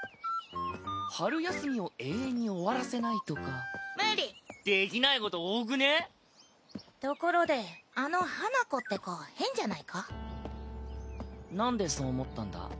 春休みを永遠に終わらせないとか無理できないこと多くねぇところであの花子って子変じゃないかなんでそう思ったんだ？